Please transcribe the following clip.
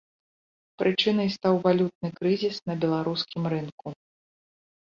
Прычынай стаў валютны крызіс на беларускім рынку.